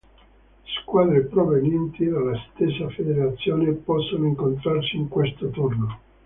Squadre provenienti dalla stessa federazione possono incontrarsi in questo turno.